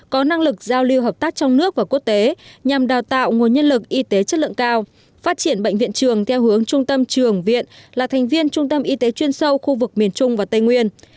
có năng lực giao lưu hợp tác trong nước và quốc tế nhằm đào tạo nguồn nhân lực y tế chất lượng cao phát triển bệnh viện trường theo hướng trung tâm trường viện là thành viên trung tâm y tế chuyên sâu khu vực miền trung và tây nguyên